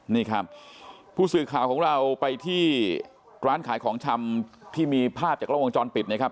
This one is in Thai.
นี่ครับผู้สื่อข่าวของเราไปที่ร้านขายของชำที่มีภาพจากล้องวงจรปิดนะครับ